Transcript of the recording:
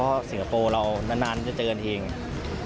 เพราะว่าสิงคโปร์เรานานจะเจออันทีนี้